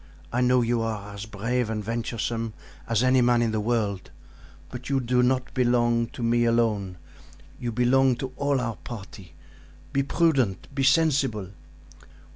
I know you are as brave and venturesome as any man in the world, but you do not belong to me alone; you belong to all our party. Be prudent! sensible!"